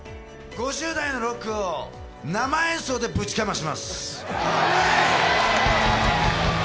５０代のロックを生演奏でぶちかまします。